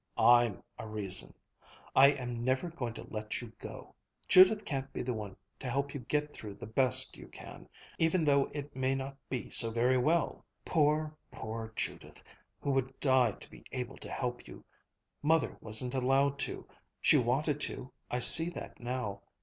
I'm a reason. I am never going to let you go. Judith can't be the one to help you get through the best you can, even though it may not be so very well poor, poor Judith, who would die to be able to help you! Mother wasn't allowed to. She wanted to, I see that now.